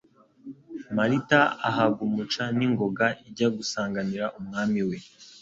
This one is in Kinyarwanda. Marita ahagumuca n'ingoga ajya gusanganira Umwami we;